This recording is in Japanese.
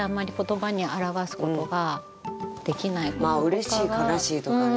うれしい悲しいとかね。